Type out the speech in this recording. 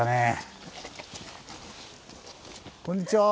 こんにちは。